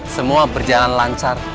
semua berjalan lancar